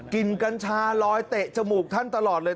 กัญชาลอยเตะจมูกท่านตลอดเลย